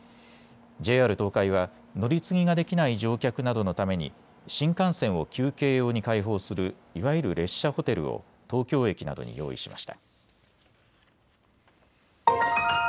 ＪＲ東海は乗り継ぎができない乗客などのために新幹線を休憩用に開放するいわゆる列車ホテルを東京駅などに用意しました。